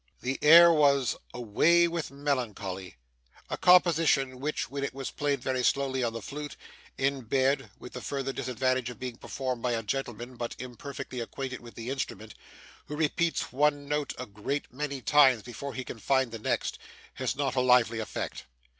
The air was 'Away with melancholy' a composition, which, when it is played very slowly on the flute, in bed, with the further disadvantage of being performed by a gentleman but imperfectly acquainted with the instrument, who repeats one note a great many times before he can find the next, has not a lively effect.